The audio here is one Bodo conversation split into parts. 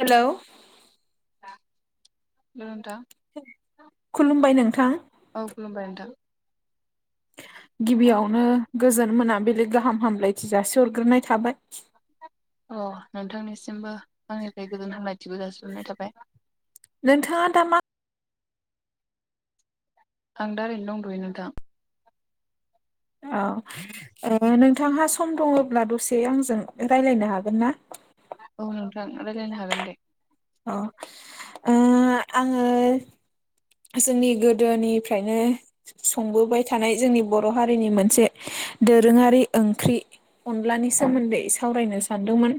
हेलौ हेल' [unintelligible] खुलुमबाय नोंथां। औ खुलुमबाय नोंथां। गिबियावनो गोजोन मोनाबिलि‌ गाहाम हामलायथि जासिहरग्रोनाय थाबाय। अ नोंथांनिसिमबो आंनिफ्राय गोजोन हामलायथिबो जासिहरनाय थाबाय। नोंथाङा दा मा आं दाओरैनों दं'थयो नोंथां। औ नोंथांहा सम दङब्ला दसे आंजों रायज्लायनो हागोन ना? औ नोंथां रायज्लायनो हागोन दे। अ ओ आंङो जोंनि गोदोनिफ्रायनो संबोबाय थानाय जोंनि बर' हारिनि मोनसे दोरोङारि ओंख्रि अनलानि सोमोन्दै सावरायनो सानदोंमोन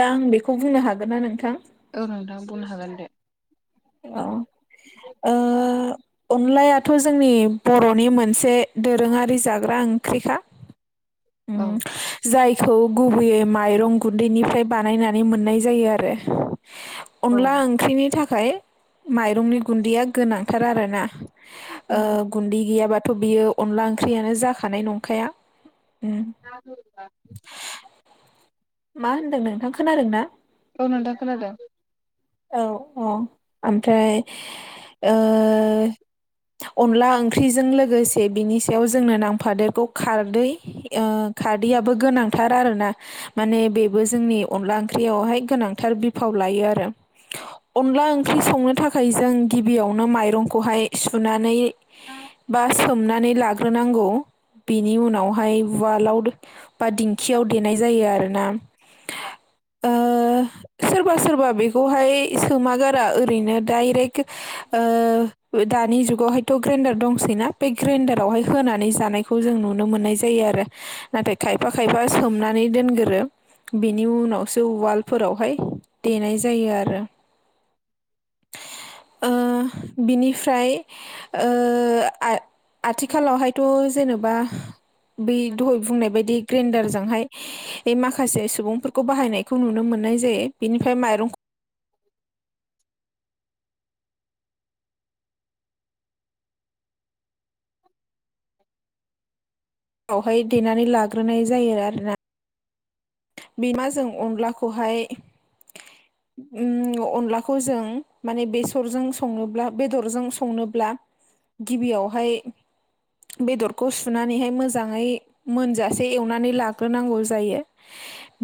दा आं बेखौ बुंनो हागोन ना नोंथां? औ नोंथां बुंनो हागोन दे। औ ओ अनलायाथ' जोंनि बर'नि मोनसे दोरोङारि जाग्रा ओंख्रिखा। उम औ। जायखौ गुबैयै माइरं गुन्दैनिफ्राय बानायनानै मोननाय जायो आरो। औ अनला ओंख्रिनि थाखाय माइरंनि गुन्दैया गोनांथार आरोना। ओ गुन्दै गैयाबाथ' बियो अनला ओंख्रियानो जाखानाय नंखाया। उम [unintelligible] मा होन्दों नोंथां खोनादों ना? औ नोंथां खोनादों। औ औ ओमफ्राय ओ अनला ओंख्रिजों लोगोसे बिनि सायाव जोंनो नांफादेरगौ खारदै ओ खारदैयाबो गोनांथार आरोना। माने बेबो जोंनि अनला ओंख्रियावहाय गोनांथार बिफाव लायो आरो। अनला ओंख्रि संनो थाखाय जों गिबियावनो माइरंखौहाय सुनानै [unintelligible] बा सोमनानै लाग्रोनांगौ बिनि उनावहाय उवालाव बा दिंखियाव देनाय जायो आरोना। [unintelligible] ओ सोरबा सोरबा बे खौहाय सोमागारा ओरैनो दायरेक् ओ दानि जुगावहाय थ' ग्रेन्डार दंसैना बे ग्रेन्डारावहाय होनानै जानायखौ जों नुनो मोननाय जायो आरो। नाथाय खायफा खायफा सोमनानै दोनगोरो। बेनि उनावसो उवालफोरावहाय देनाय जायो आरो। ओ बिनिफ्राय ओ आ आथिखालावहायथ' जेनेबा बै दहाय बुंनाय बायदि ग्रेन्डारजोंहाय बे माखासे सुबुंफोरखौ बाहायनायखौ नुनो मोननाय जायो बिनिफाय माइरं ख बावहाय देनानै लाग्रोनाय जायो आरोना बिमाजों अनलाखौहाय। ओ अनलाखौ जों माने बेसरजों संनोब्ला बेदरजों संनोब्ला गिबियावहाय बेदरखौ सुनानैहाय मोजाङै मोनजासे एवनानै लाग्रोनांगौ जायो।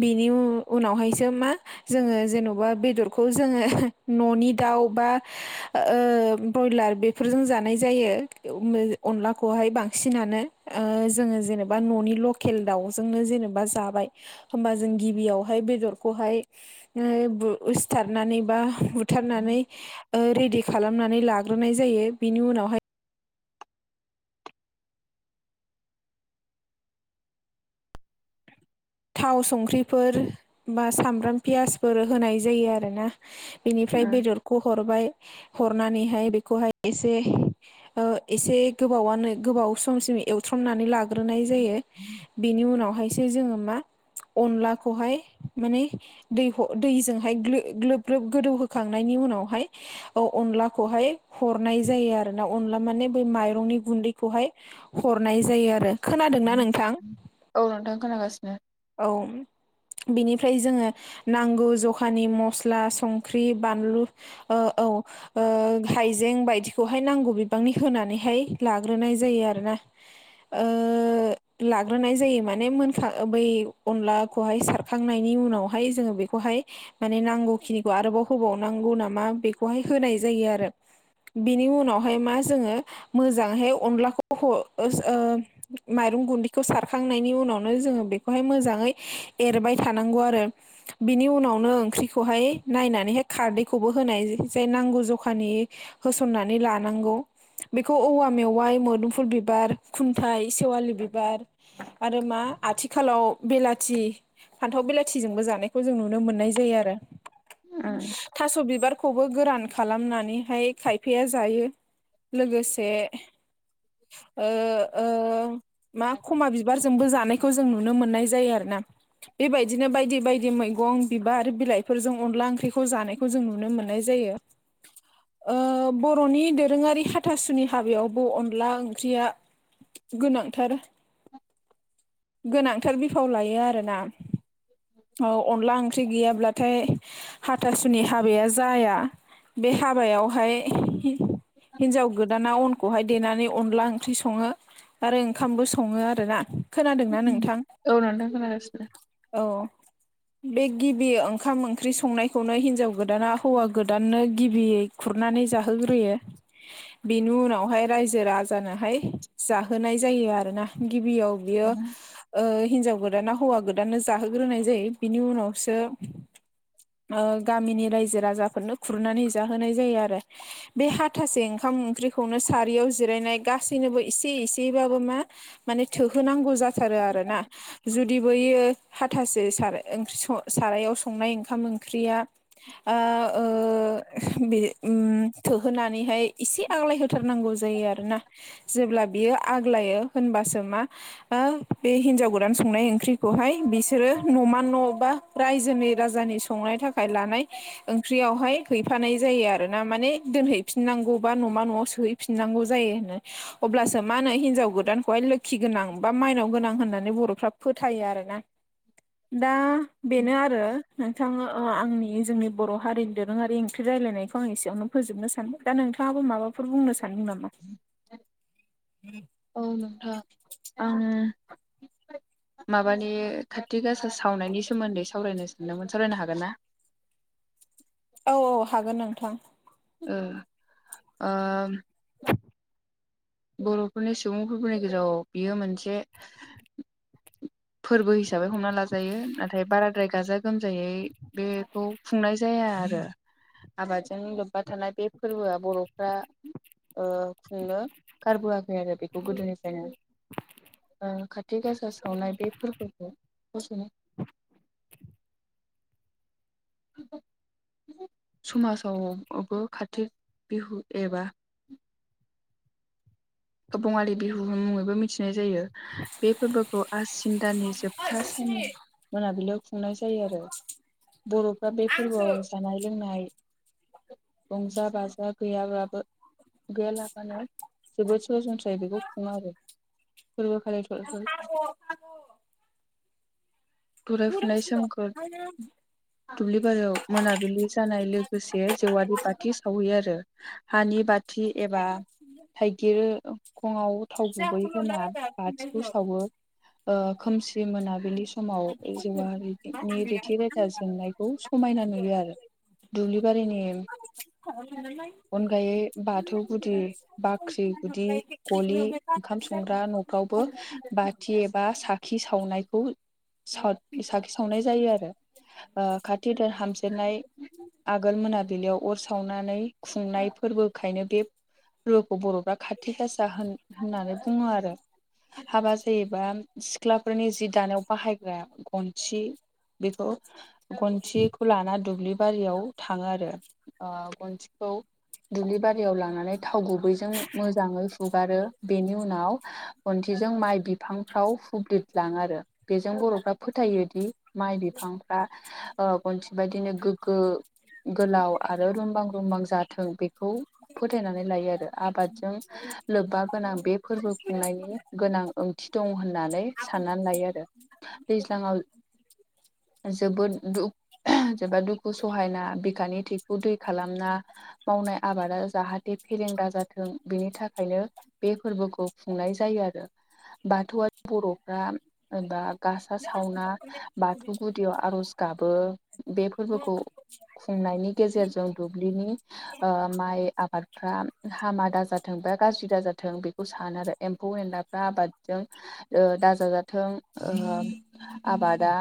बेनि उनावहायसो मा जोंङो जेन'बा बेदरखौ जोंङो न'नि दाउ बा ओ ब्रयलार बे फोरजों जानाय जायो अनलाखौहाय बांसिनानो ओ जोङो जेनेबा न'नि लकेल दाउजोंनो जेनेबा जाबाय होमबा जों गिबियावहाय बेदरखौहाय [unintelligible] सिथारनानै बा बुथारनानै ओ रेडि खालामनानै लाग्रोनाय जायो बिनि उनावहाय। थाव संख्रिफोर बा सामब्राम पियासफोर होनाय जायो आरोना बेनिफ्राय बेदरखौ हरबाय हरनानैहाय बेखौहाय इसे ओ इसे गोबावानो गोबाव समसिम एवथ्रमनानै लाग्रोनाय जायो। [inaudible] बेनि उनावहायसो जोङो मा अनलाखौहाय माने दैखौ दैजोंहाय ग्लो ग्लोब ग्लोब गोदौहोखांनायनि उनावहाय औ अनलाखौहाय हरनाय जायो आरो ना अनला माने बै माइरंनि गुन्दैखौहाय हरनाय जायो आरो। खोनादोंना नोंथां? औ नोंथां खोनागासिनो औ बिनिफ्राय जोङो नांगौ जखानि मस्ला संख्रि बानलु ओ औ ओ हाइजें बायदिखौहाय नांगौ बिबांनि होनानैहाय लाग्रोनाय जायो आरोना ओ लाग्रोनाय जायो माने मोनखा बै अनलाखौहाय सारखांनायनि उनावहाय जोङो बेखौहाय माने नांगौखिनिखौ आरोबाव होबाव नांगौ नामा बेखौहाय होनाय जायो आरो बिनि उनावहाय मा जोङो मोजांहाय अनलाखौ ह [unintelligible] ओ माइरं गुन्दैखौ सारखांनायनि उनावनो जोङो बे खौहाय मोजाङै एरबाय थानांगौ आरो बिनि उनावनो ओंख्रिखौहाय नायनानैहाय खारदैखौबो होनाय जाय नांगौ जखानि होसननानै लानांगौ बेखौ औवा मेवाइ मोदोमफुल बिबार खुन्थाइ सेवालि बिबार आरो मा आथि खालाव बेलाथि फान्थाव बेलाथिजोंबो जानायखौ जों नुनो मोननाय जायो आरो उम थास' बिबारखौबो गोरान खालामनानैहाय खायफाया जायो लोगोसे ओ ओ मा खमा बिबारजोंबो जानायखौ जों नुनो मोननाय जायो आरो ना बेबायदिनो बायदि बायदि मैगं बिबार बिलाइफोरजों अनला ओंख्रिखौ जानायखौ जों नुनो मोननाय जायो [unintelligible] ओ बर'नि दोरोङारि हाथासुनि हाबायावबो अनला ओंख्रिया गोनांथार गोनांथार बिफाव लायो आरोना [inaudible] औ अनला ओंख्रि गैयाब्लाथाय हाथासुनि हाबाया जाया बे हाबायावहाय हिनजाव गोद दाना अनखौहाय देनानै अनला ओंख्रि सङो आरो ओंखामबो सङो आरोना खोनादोंना नोंथां औ नोंथां खोनागासिनो औ बे गिबि ओंखाम ओंख्रि संनायखौनो हिनजाव गोदाना हौवा गोदाननो गिबियै खुरनानै जाहोग्रोयो। बेनि उनावहाय रायजो राजानोहाय जाहोनाय जायो आरोना। गिबियाव बियो ओ हिनजाव गोदाना हौवा गोदानानो जाहोग्रोनाय दै बिनि उनावसो ओ गामिनि रायजो राजाफोरनो खुरनानै जाहोनाय जायो आरो बे हाथासे ओंखाम ओंख्रिखौनो सारियाव जिरायनाय गासैनोबो इसे इसेबाबो मा माने थोहोनांगौ जाथारो आरो ना जुदि बैयो हाथासे थार ओंख्रि सं सारायाव संनाय ओंखाम ओंख्रिया आ ओ बि थोहोनानैहाय इसे आग्लायहथारनांगौ जायो आरोना जेब्ला बियो आग्लायो होनबासो मा आ बे हिनजाव गोदान संनाय ओंख्रिखौहाय बिसोरो नमा न' बा रायजोनि राजानि संनायनि थाखाय लानाय ओंख्रियावहाय हैफानाय जायो आरो ना माने दोनहैफिननांगौबा न'मा न'आव सोहै फिननांगौ जायो होनो अब्लासो मा होनो हिनजाव गोदानखौहाय लोखि गोनां बा माइनाव गोनां होननानै बर'फ्रा फोथायो आरोना दा बेनो आरो। नोंथाङा आंनि जोंनि बर' हारिनि दोरोङारि ओंख्रि रायजलायनायखौ आं एसेयावनो फोजोबनो सानबाय दा नोंथाङाबो माबाफोर बुंनो सानदों नामा? औ नोंथां आङो माबानि खाथि गासा सावनायनि सोमोन्दै सावरायनो सानदोंमोन सावरायनो हागोन ना? औ औ हागोन नोंथां। ओ ओ बर'फोरनि सुबुंफोरफोरनि गेजेराव बियो मोनसे फोरबो हिसाबै हमना लाजायो नाथाय बारा द्राय गाजा गोमजायै बेखौ खुंनाय जाया आरो। आबादजों लोब्बा थानाय बे फोरबोआ बर'फ्रा ओ खुंनो खारबोआखै आरो बेखौ गोदोनिफ्रायनो। ओ खाथि गासा सावनाय बे फोरबोखौ फसंनो समाजावबो कारतिक बिहु एबा बङालि बिहु मुङैबो मिथिनाय जायो। बे फोरबोखौ आसिन दानि जोबथा सान ओइ मोनाबिलियाव खुंनाय जायो आरो बर'फ्रा बे फोरबोआव जानाय लोंनाय रंजा बाजा गैयाब्लााबो गैयालाबानो जोबोद सरासनस्रायै बेखौ खुङो आरो फोरबो खालि थ'-थ' थरायफुनाय सोमखोर दुब्लि बारियाव मोनाबिलि जानाय लोगोसे जेवारि बाथि सावहैयो आरो। हानि बाथि एबा थाइगिरखङाव थाव गुबै होना। बाथिखौ सावो ओ खोमसि मोनाबिलि समाव। बे जेवारिनि रेथि रेथा जोंनायखौ समायना नुयो आरो। दुब्लिबारिनि अनगायै बाथौ गुदि बाख्रि गुदि [unintelligible] गलि ओंखाम संग्रा न'फ्रावबो बाथि एबा साखि सावनायखौ साद-साखि सावनाय जायो आरो। ओ खाथि हामजेरनाय आगोल मोनाबिलियाव अर सावनानै खुंनाय फोरबोखायनो बे फोरबोखौ बर'फ्रा खाथि गासा होन होननानै बुङो आरो। हाबा जायोबा सिख्लाफोरनि जि दानायाव बाहाय गन्थि बेखौ गन्थिखौ लाना दुब्लि बारियाव थाङो आरो। ओ गन्थिखौ दुब्लि बारियाव लांनानै थाव गुबैजों मोजाङै हुगारो। बेनि उनाव गन्थिजों माइ बिफांफ्राव फुब्लिदलाङो आरो। जों बर'फ्रा फोथायोदि माइ बिफांफ्रा गन्थि बायदिनो गोग्गो गोलाव आरो रुमबां रुमबां जाथों बेखौ फोथायनानै लायो आरो। आबादजों लोब्बा गोनां बे फोरबो खुंनायनि गोनां ओंथि दं होननानै साननानै लायो आरो। दैज्लाङाव जोबोद दुख जोबोद दुखु सहायना बिखानि थैखौ दै खालामना मावनाय आबादा जाहाथे फेलेंगा जाथों बेनि थाखायनो बे फोरबोखौ खुंनाय जायो आरो। बाथौआ बर'फ्रा दा गासा सावना बाथौ गुदियाव आर'ज गाबो। बे फोरबोखौ खुंनायनि गेजेरजों दुब्लिनि ओ माइ आबादफ्रा हामा दाजाथों बा गाज्रि दाजाथों बेखौ सानो आरो। एम्फौ-एनलाफ्रा आबादजों ओ दा जाजाथों। ओ आबादा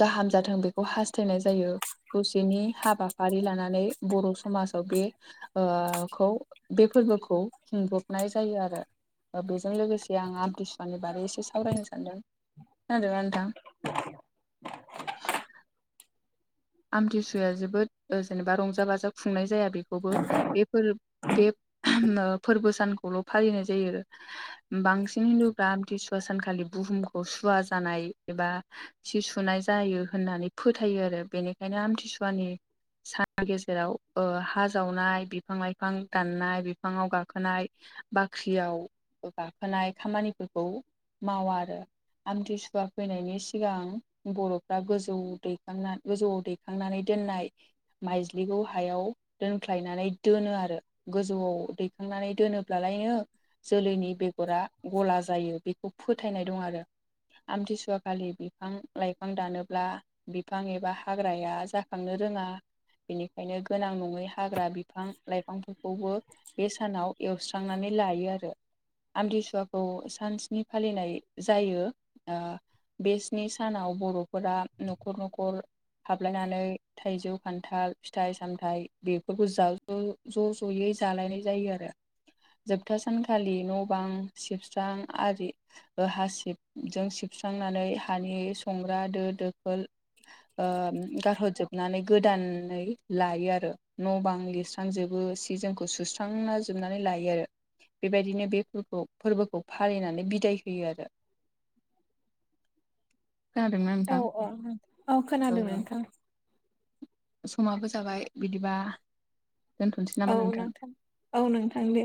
गाहाम जाथों बेखौ हास्थायनाय जायो। दसेनि हाबाफारि लानानै बर' समाजाव बे ओ खौ बे फोरबोखौ खुंब्रबनाय जायो आरो। बेजों लोगोसे आं आमथिसुवानि बारै एसे सावरायनो सानदों। खोनादोंना नोंथां? [inaudible] आमथिसुवाया जोबोद जेनेबा रंजा बाजा खुंनाय जाया बेखौबो। बेफोर बे फोरबो सानखौल' फालिनाय जायो आरो बांसिन हिन्दुफ्रा आमथिसुवा सानखालि बुहुमखौ सुवा जानाय एबा सि सुनाय जायो होननानै फोथायो आरो बेनिखायनो आमथिसुवानि सान गेजेराव हा जावनाय, बिफां-लाइफां दाननाय, बिफाङाव गाखोनाय बाख्रियाव गाखोनाय खामानिफोरखौ मावा आरो। आमथिसुवा फैनायनि सिगां बर'फ्रा गोजौ दैखांना गोजौआव दै खांनानै दोननाय माइज्लिखौ हायाव दोनख्लायनानै दोनो आरो गोजौआव दैखांनानै दोनोब्लाालायनो जोलैनि बेगरा गला जायो बेखौ फोथायनाय दं आरो। आमथिसुवा खालि बिफां लाइफां दानोब्ला बिफां एबा हा हाग्राया जाखांनो रोङा। बेनिखायनो गोनां नङै हाग्रा बिफां-लाइफांफोरखौबो बे सानाव एवस्रांनानै लायो आरो। आमदिसुवाखौ सानसिनि फालिनाय जायो। ओ बे स्नि सानाव बर'फोरा न'खर न'खर हाबलायनानै थाइजौ, खान्थाल, फिथाइ-सामथाइ बेफोरखौ जाव ज' ज' ज'यै जालायनाय जायो आरो। जोबथा सानखालि न' बां सिबस्रां आरि हा सिबजों सिबस्रांनानै हानि संग्रा दो दोखोल ओ गारहरजोबनानै गोदानै लायो आरो। न' बां लिस् स्रांजोबो सि जोंखौ सुस्रांना जोबनानै लायो आरो। बेबायदिनो बेफोरखौ फोरबोखौ फालिनानै बिदाय होयो आरो। [inaudible] खोनादोंना औ नोंथां? औ औ ओ खोनादों नोंथां। समाबो जाबाय बिदिबा। दोनथ'नोसै औ नामा नोंथां औ नोंथां दे